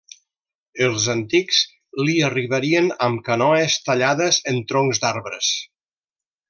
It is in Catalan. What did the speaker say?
Els antics li arribarien amb canoes tallades en troncs d'arbres.